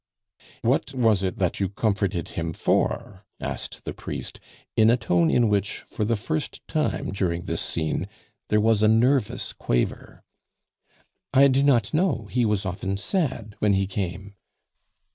"What was it that you comforted him for?" asked the priest, in a tone in which, for the first time during this scene, there was a nervous quaver. "I do not know; he was often sad when he came."